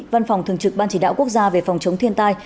văn phòng thường trực ban chỉ đạo quốc gia về phòng chống thiên tai